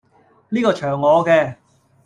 呢個場我既